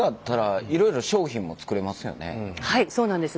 はいそうなんです。